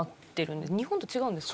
日本と違うんですか？